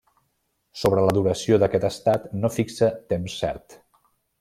Sobre la duració d’aquest estat, no fixa temps cert.